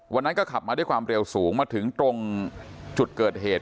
วันนั้นก็ขับมาด้วยความเร็วสูงมาถึงตรงจุดเกิดเหตุ